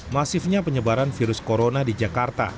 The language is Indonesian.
masifnya penyebaran virus corona di jakarta